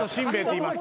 いいます。